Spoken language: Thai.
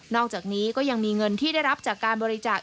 อกจากนี้ก็ยังมีเงินที่ได้รับจากการบริจาค